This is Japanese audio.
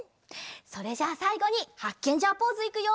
それじゃあさいごにハッケンジャーポーズいくよ！